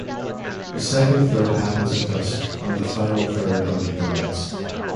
The second third happens at dusk, and the final third under the lights.